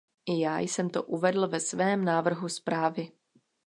I já jsem to uvedl ve svém návrhu zprávy.